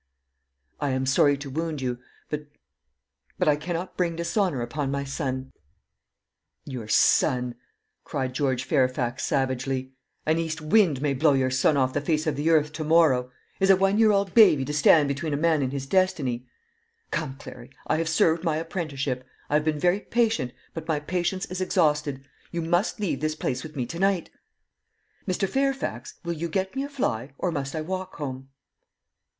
"I am sorry to wound you; but but I cannot bring dishonour upon my son." "Your son!" cried George Fairfax savagely. "An east wind may blow your son off the face of the earth to morrow. Is a one year old baby to stand between a man and his destiny? Come, Clary, I have served my apprenticeship; I have been very patient; but my patience is exhausted. You must leave this place with me to night." "Mr. Fairfax, will you get me a fly, or must I walk home?"